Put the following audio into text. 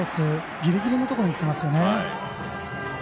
ギリギリのところにいっています。